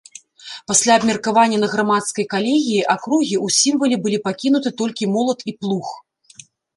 Пасля абмеркавання на грамадскай калегіі акругі ў сімвале былі пакінуты толькі молат і плуг.